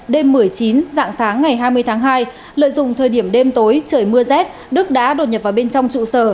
đêm một mươi chín dạng sáng ngày hai mươi tháng hai lợi dụng thời điểm đêm tối trời mưa rét đức đã đột nhập vào bên trong trụ sở